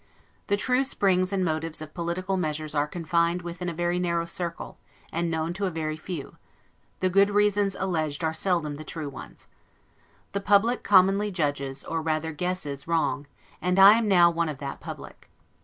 The true springs and motives of political measures are confined within a very narrow circle, and known to a very few; the good reasons alleged are seldom the true ones: The public commonly judges, or rather guesses, wrong, and I am now one of that public.